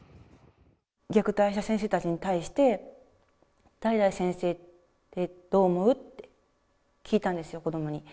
虐待した先生たちに対して、誰々先生ってどう思う？って聞いたんですよ、子どもに。